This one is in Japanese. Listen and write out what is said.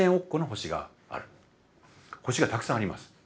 星がたくさんあります。